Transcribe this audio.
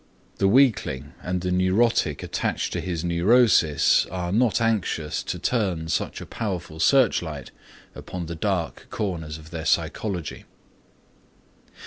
The weakling and the neurotic attached to his neurosis are not anxious to turn such a powerful searchlight upon the dark corners of their psychology.